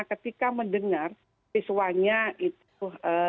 ketika mendengar siswanya itu